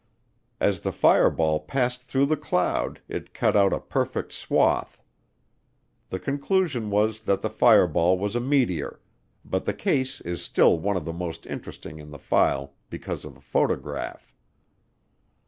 As the fireball passed through the cloud it cut out a perfect swath. The conclusion was that the fireball was a meteor, but the case is still one of the most interesting in the file because of the photograph.